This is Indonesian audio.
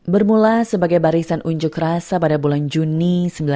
bermula sebagai barisan unjuk rasa pada bulan juni seribu sembilan ratus empat puluh